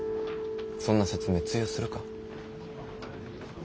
そんな説明通用するか。